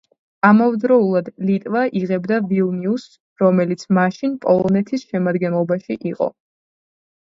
ამავდროულად, ლიტვა იღებდა ვილნიუსს, რომელიც მაშინ პოლონეთის შემადგენლობაში იყო.